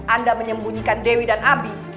anda menyembunyikan dewi dan abi